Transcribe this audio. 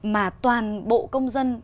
mà toàn bộ công dân